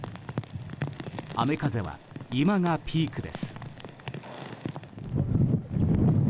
雨風は今がピークです。